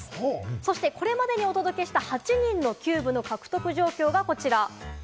そしてこれまでにお届けした８人のキューブの獲得状況は、こちら。